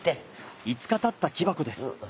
５日たった木箱です。